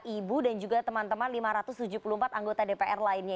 ibu dan juga teman teman lima ratus tujuh puluh empat anggota dpr lainnya